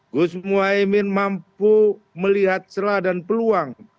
gus muhaymin mampu melihat celah dan peluang